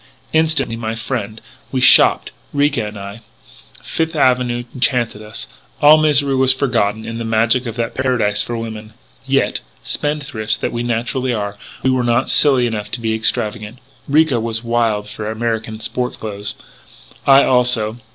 "Instantly, my friend, we shopped, Ricca and I. Fifth Avenue enchanted us. All misery was forgotten in the magic of that paradise for women. "Yet, spendthrifts that we naturally are, we were not silly enough to be extravagant. Ricca was wild for American sport clothes. I, also.